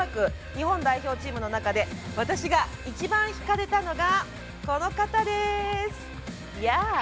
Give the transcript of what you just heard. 日本代表チームの中で私が一番ひかれたのはこの方です。